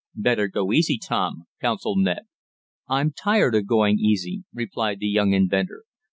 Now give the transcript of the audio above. "Better go easy, Tom," counseled Ned. "I'm tired of going easy," replied the young inventor.